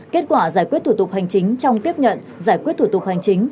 kết quả giải quyết thủ tục hành chính trong tiếp nhận giải quyết thủ tục hành chính